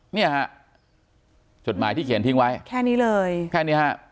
เนี่ยฮะจดหมายที่เขียนทิ้งไว้แค่นี้เลยแค่นี้ฮะ